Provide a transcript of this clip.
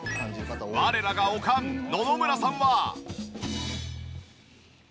我らがおかん野々村さんは。